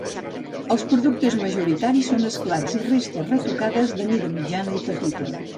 Els productes majoritaris són esclats i restes retocades de mida mitjana i petita.